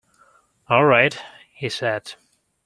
"All right," he said.